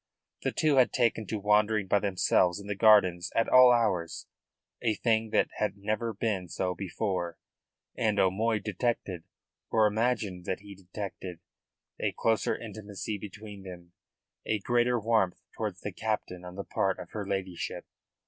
The two had taken to wandering by themselves in the gardens at all hours, a thing that had never been so before, and O'Moy detected, or imagined that he detected, a closer intimacy between them, a greater warmth towards the captain on the part of her ladyship.